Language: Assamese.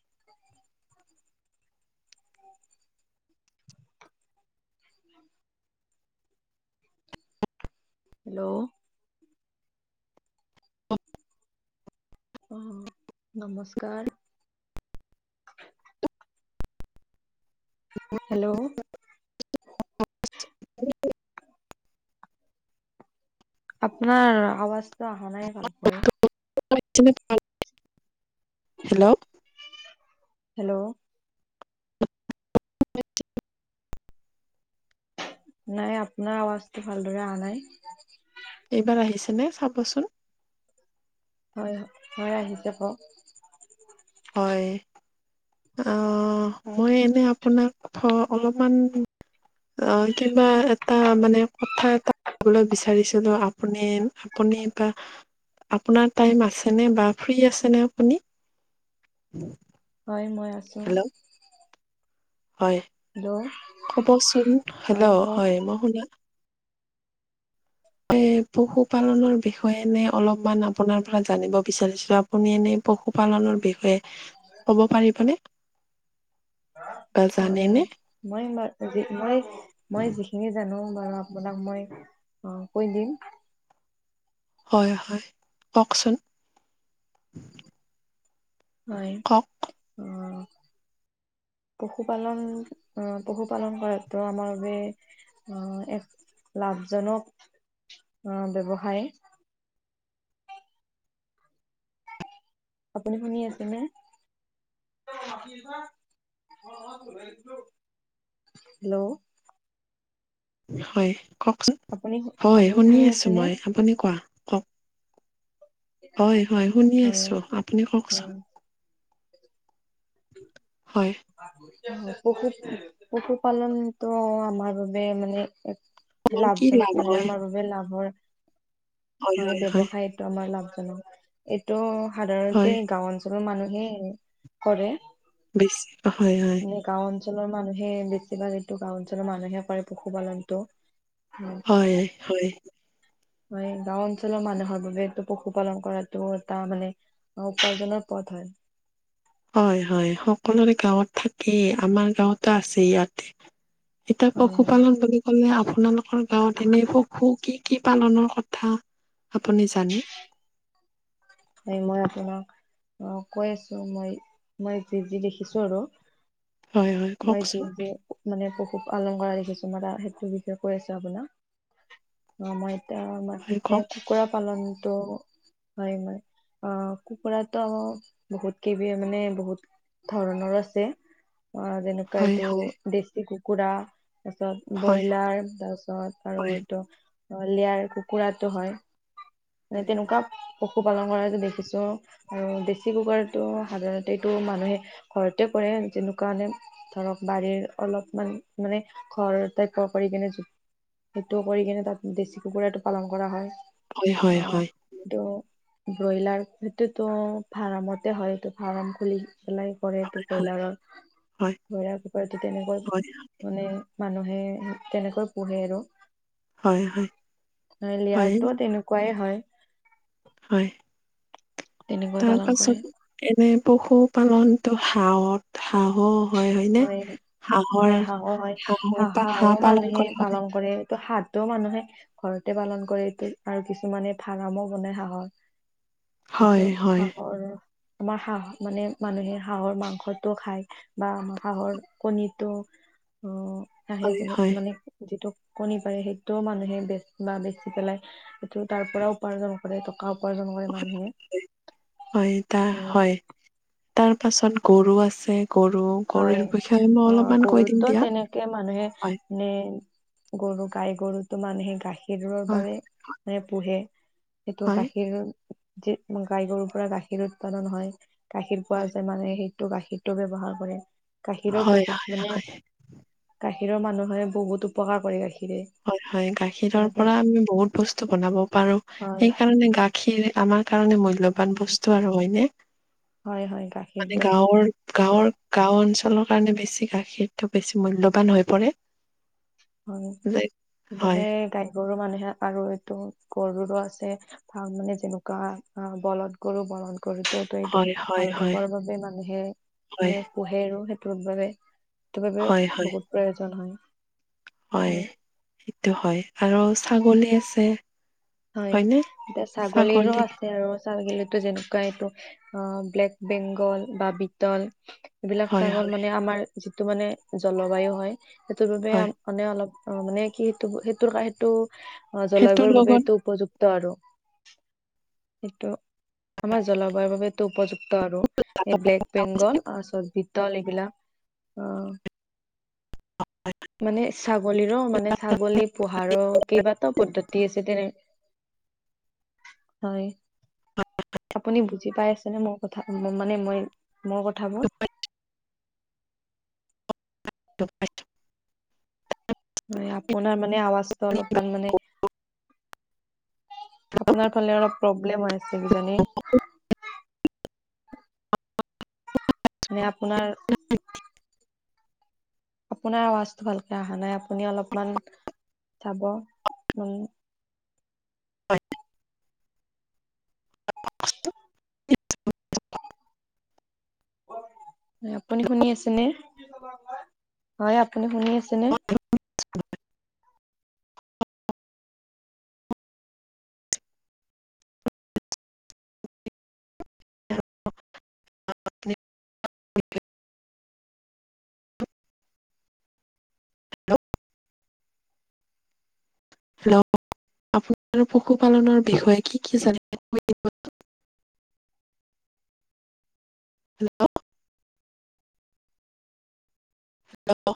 [unintelligible] [unintelligible] হেল্ল'অ অহ নমস্কাৰ হেল্ল'অ আপোনাৰ আৱাজটো আহ নাই ভাল কৈ [unintelligible] হেল্ল হেল্ল'অ নাই আপোনাৰ আৱাজটো ভালদৰে অহানাই এইবাৰ আহিছেনেে চাবচোন। হয় হয় হয় আহিছে কও হয়। অ মই এনে আপোনাক অলপমান। অ কিবা এটা মানে কথা এটা কবলৈ বিচাৰিছিলো আপুনি আপোনাক আপোনাৰ টাইম আছেনে ফিৰি আছে নে‌? উম [unintelligible] হয় মই আছোঁ। হয় কবচোন হেল্ল' হয় মই শুনা। এ পশুপালনৰ বিষয়ে এনে অলপমান আপোনাৰ পৰা জানিব বিচাৰিছিলো আপুনি এনে। পশুপালনৰ বিষয়ে ক'ব পাৰিবনে। বা হয় জানেনে মই ম মই মই যিখিনি জানো। আপোনাক মই কৈ দিম। হয় হয় কওকচোন। হয় কওক অ। পশুপালন আহ পশুপালন কৰাতো আমাৰ বাবে আহ এক লাভজনক আহ ব্যবসায়। আপুনি শুনিয় আছেনে। [unintelligible] হেল্ল'। হয় কওকচোন আপুনি হয় আপুনি শুনি আছো আছেনে? মই আপুনি কোৱা। [unintelligible] হয় হয় শুনি হয় আছো আপুনি কওকচোন। হয় আহ [unintelligible] পশু পশুপালনটো আমাৰ বাবে মানে। আমাৰ কি লাভ লাভজনক মানে হয় আমাৰ বাবে লাভৰ। হয় ব্যৱসায়টোৰ আমাৰ লাভজনক, এইটো হয় সাধাৰণতে গাও অঞ্চল। ৰ মানুহে কৰে। ব হয় হয়। মানে গাঁও অঞ্চলৰ মানুহে বেছিভাগ এইটো গাও অঞ্চলৰ মানুহে কৰে পশুপালনতটো। হয় হয়। হয়। গাও অঞ্চলৰ মানুহৰ বাবেটো পশুপালন কৰাতটো এটা মানে উপাৰ্জনৰ পথ হয়। [unintelligible] হয়, হয়। সকলোৰে গাঁৱত থাকেই আমাৰ গাঁৱতো আছে ইয়াতে। এতিয়া হয় হয়। পশুপালন বুলি ক'লে আপোনালোকৰ গাঁৱত এনেই পশু কি। কি পালনৰ কথা আপুনি জানি। হয় মই আপোনাক অ কৈ আছো মই- মই যি যি দেখিছো আৰু হয় হয় মাই যি কওকচোন যে মানে পশু পালন কৰা দেখিছোঁ কিছুমান এটা সেইটোৰ বিষয়ে কৈ আছো আপোনাক, অ মই আমাৰ হয় এ কওক কুকুৰা পালনটো হয় মানে। অ কুকুৰা ত বহুত কিবি মানে বহুত। ধৰণৰ আছে, অ যেনেকুৱা হয় এইটো হয় দেশী কুকুৰা। তাৰপিছত হয় ব্ৰইলাৰ তাৰপিছত আৰু হয় ইটো। অ লয়াৰ কুকুৰাটো হয় মানে হয় তেনেকুৱা পশু পালন কৰা যে দেখিছোঁ আৰু ডেচি কুকুৰাটো সাধাৰণতে মানুহে ঘৰতে কৰে। তেনেকুৱা মানে ধৰক বাৰীৰ অলপমান, মানে ঘৰ টাইপৰ কৰি কিনে সেইটো কৰি কিনে তাত দেশী কুকুৰাটো পালন কৰা হয় হয় হয় হয় অ হয় সেইটো ব্ৰইলাৰ সেইতোটো ফাৰ্মতে হয়তো ফাৰ্ম খুলি। কৰে হয় ব্ৰইলাৰৰ হয় ব্ৰইলাৰ ক তেনেকৈ হয়। মানে মানুহে তেনেকৈ পোহে আৰু হয়, হয়, হয়, লেয়াৰটো তেনেকুৱাই হয়। তেনেকৈ তাৰ পালন কৰে পাছত এনে। পশুপালনটো হাঁহত হাহ হয় হয়নে হাঁহৰ হয় হাঁহো হয় -হাঁহৰ পৰা হাঁহো হাঁহ পালন মানুহে কৰা হয় পালন কৰে এইটো হাঁহটো মানুহে ঘৰতে পালন কৰে এইটো আৰু কিছুমানে ফাৰ্মো বনাই হাঁহৰ। সিটো হয়, হয়, হাঁহৰ আমাৰ হাঁহ মানে মানুহে হাঁহৰ মাংসতো খায় বা আমাৰ। হাঁহৰ কণীটো অ আহে হয়, যেনে হয়। মানে যিটো কণী পাৰে সেইটোও মানুহে বেচ বা বেচি পেলাই সেইটো তাৰ পৰা উপাৰ্জন কৰে। উপাৰ্জন কৰে মানুহে। হয়, তা হয় তাৰ পাছত গৰু আছে। গৰু গৰুৰ হয় বিষয়ে মই অ অলপমান কৈ দিম গৰুত দিয়া। তেনেকে মানুহে হয়, নে। গৰু গাই গৰুটো মানুহে গাখীৰৰ হয়, বাবে পোহে এইটো হয়, গাখীৰ যি গাই গৰুৰ পৰা গাখীৰ উৎপাদন হয়। গাখীৰ পোৱা হয়। যায় মানে সেইটো গাখীৰটো ব্যৱহাৰ কৰে। গাখীৰৰ হয়, বহুত হয়, মানে হয়, গাখীৰৰ মানুহে বহুত উপকাৰ কৰে গাখীৰ হয়- হয় গাখীৰৰ পৰা আমি বহুত বস্তু বনাব পাৰো, হয় সেইকাৰণে গাখীৰ খিৰ আমাৰ কাৰণে মূল্যবান বস্তু আৰু হয়নে। হয় হয় মানে গাখীৰটো গাঁৱৰ সেইটো -গাঁৱৰ গাওঁ অঞ্চলত। কাৰণে বেছি গাখীৰটো বেছি মূল্যবান হৈ পৰে। হয় যে হয় সেইবাবে গৰু মানুহে আৰু এইটো গৰুৰো আছে ভাল মানে যেনেকুৱা বলধ গৰু বলধ গৰুটো এইটো হয় হয় হাল হয় বাবৰ বাবে মানুহে হয় পোহে আৰু সেইটোৰ বাবে। সেইটো বাবে হয় হয় বহুত প্ৰয়োজন হয়। হয় সেইটো হয় আৰু ছাগলী আছে। হয় হয়নে এতিয়া ছাগলীৰো ছাগলী আছে আৰু ছাগলী। যেনেকুৱা এইটো অ ব্লেক বেংগল বা বিতল। এইবিলাক হয় ছাগল হয় মানে আমাৰ যিটো মানে জলবায়ু হয় সেইটোৰ বাবে হয় মানে অলপ। অ মানে কি সেইটো সেইটোৰ সেইটো অ সেইটোৰ জলবায়ুৰ বাবে লগত এইটো। উপযুক্ত আৰু সেইটো আমাৰ জলবায়ুৰ বাবেটো উপযুক্ত। আৰু এই ব্লেক বেংগল তাৰপিছত বিতল এইবিলাক অ [unintelligible] মানে ছাগলীৰো মানে ছাগলী পোহাৰৰ কেইবাটাও পদ্ধতি আছে তেনে হয়। আপুনি বুজি পাই আছেনে মোৰ কথা মানে মই মোৰ কথাবোৰ‌। [unintelligible] ম‌ই আপোনাৰ মানে আৱাজটো অলপমান মানে [inaudible] আপোনাৰফালে অলপ প্ৰব্লেম হৈ আছে কিজানি? [unintelligible] মানে আপোনাৰ। আপোনাৰ আৱাজটো ভালকে অহা নাই আপুনি অলপমান যাব উম! [unintelligible] আপুনি শুনি আছে নে হয় আপুনি [unintelligible] শুনি আছেনে? অ আ [unintelligible] [inaudible] হেল্ল আপোনাৰ পশুপালনৰ বিষয়ে কি কি জানিব। আ। হেল্লো